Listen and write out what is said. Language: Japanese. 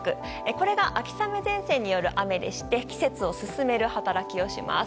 これが秋雨前線による雨で季節を進める働きをします。